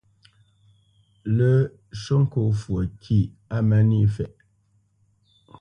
Lə́ shwô ŋkó fwo kîʼ á má níʼ fɛ̌.